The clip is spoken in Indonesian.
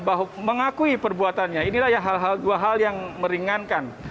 bahwa mengakui perbuatannya inilah yang hal hal dua hal yang meringankan